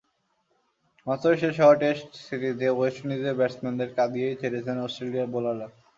মাত্রই শেষ হওয়া টেস্ট সিরিজে ওয়েস্ট ইন্ডিজের ব্যাটসম্যানদের কাঁদিয়েই ছেড়েছেন অস্ট্রেলিয়ার বোলাররা।